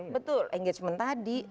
betul engagement tadi